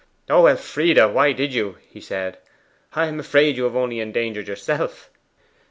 'O Elfride! why did you?' said he. 'I am afraid you have only endangered yourself.